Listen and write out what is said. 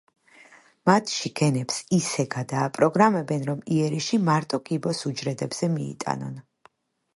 მათში გენებს ისე გადააპროგრამებენ, რომ იერიში მარტო კიბოს უჯრედებზე მიიტანონ.